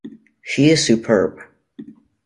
She is superb.